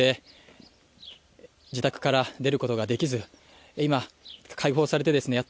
１ヶ月以上にわたって自宅から出ることができず今、解放されてですね